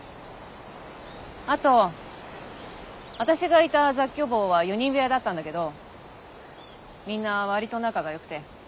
あと私がいた雑居房は４人部屋だったんだけどみんな割と仲がよくて。